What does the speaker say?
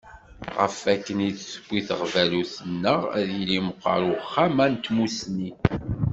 Ɣef wakken i d-tewwi teɣbalut-nneɣ, ad yili meqqer Uxxam-a n Tmussni.